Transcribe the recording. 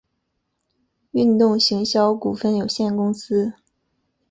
运动行销股份有限公司